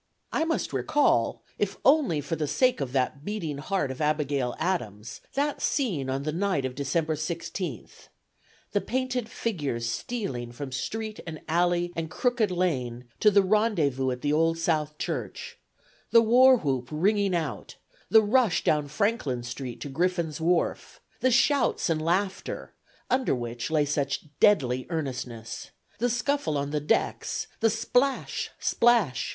I must recall, if only for the sake of that beating heart of Abigail Adams', that scene on the night of December 16th: the painted figures stealing from street and alley and crooked lane to the rendezvous at the Old South Church; the war whoop ringing out, the rush down Franklin Street to Griffin's Wharf; the shouts and laughter, under which lay such deadly earnestness; the scuffle on the decks, the splash! splash!